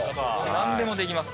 何でもできます。